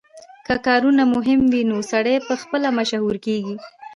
که کارونه مهم وي نو سړی پخپله مشهور کیږي